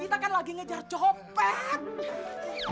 kita kan lagi ngejar copet